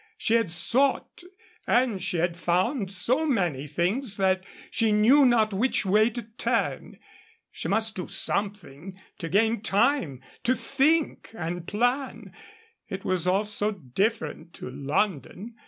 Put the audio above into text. She had sought and she had found so many things that she knew not which way to turn. She must do something to gain time to think and plan. It was all so different to London.